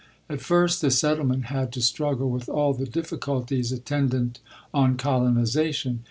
At first the settlement had to struggle with all the difficulties attendant on colonization.